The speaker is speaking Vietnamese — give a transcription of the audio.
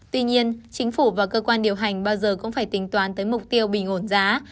tuy nhiên chính phủ và cơ quan điều hành bao giờ cũng phải tính toán tới mục tiêu bình ổn giá